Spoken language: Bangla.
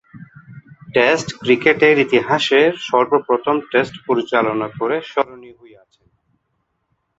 টেস্ট ক্রিকেটের ইতিহাসের সর্বপ্রথম টেস্ট পরিচালনা করে স্মরণীয় হয়ে আছেন।